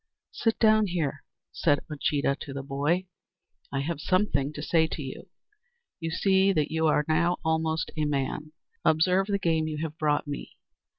"Sit down here," said Uncheedah to the boy; "I have something to say to you. You see that you are now almost a man. Observe the game you have brought me!